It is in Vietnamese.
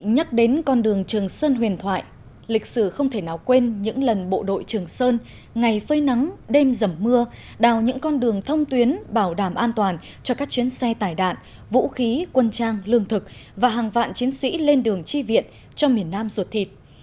nhắc đến con đường trường sơn huyền thoại lịch sử không thể nào quên những lần bộ đội trường sơn ngày phơi nắng đêm giầm mưa đào những con đường thông tuyến bảo đảm an toàn cho các chuyến xe tải đạn vũ khí quân trang lương thực và hàng vạn chiến sĩ lên đường chi viện cho miền nam ruột thịt